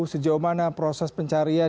sejauh mana proses pencarian